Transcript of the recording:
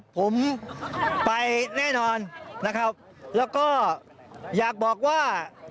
ผมไปแน่นอนแล้วก็อยากบอกว่า